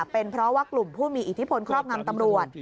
เป็นเพราะว่ากลุ่มผู้มีอิทธิพลครอบงำตำรวจ